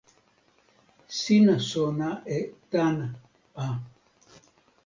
sina sona e tan a.